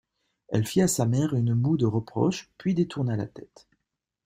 Elle fit à sa mère une moue de reproche, puis détourna la tête.